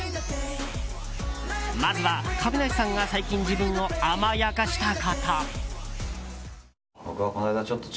まずは、亀梨さんが最近自分を甘やかしたこと。